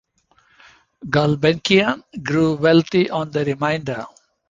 Gulbenkian grew wealthy on the remainder.